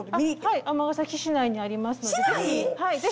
はい尼崎市内にありますので是非。